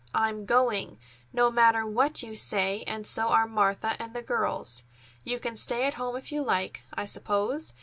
I'm going, no matter what you say, and so are Martha and the girls. You can stay at home if you like, I suppose.